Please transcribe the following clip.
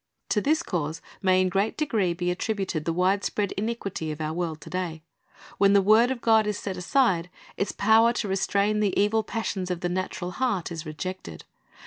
To this cause may in great degree be attributed the wide spread iniquity in our world to day. When the word of God is set aside, its power to restrain the evil passions of the natural heart is rejected.